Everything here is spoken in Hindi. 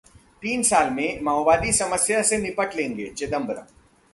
तीन साल में माओवादी समस्या से निपट लेंगे: चिदंबरम